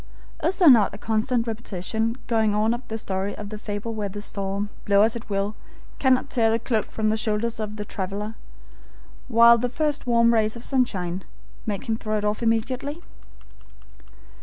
Is there not a constant repetition going on of the story of the fable where the storm, blow as it will, cannot tear the cloak from the shoulders of the traveler, while the first warm rays of sunshine make him throw it off immediately?